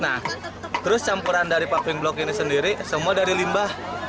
nah terus campuran dari paving block ini sendiri semua dari limbah